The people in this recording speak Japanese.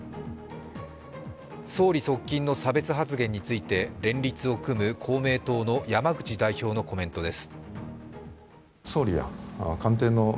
総理側近の差別発言について、連立を組む公明党の山口代表のコメントです。